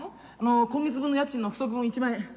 今月分の家賃の不足分１万円。